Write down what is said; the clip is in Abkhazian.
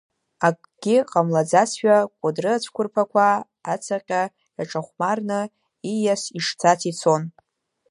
Акгьы ҟамлаӡазшәа Кәыдры ацәқәырԥақәа ацаҟьа иаҿахәмарны ииас ишцац ицон…